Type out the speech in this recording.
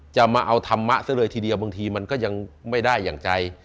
จะมาเอาธรรมะซะเลยทีเดียวบางทีมันก็ยังไม่ได้อย่างใจ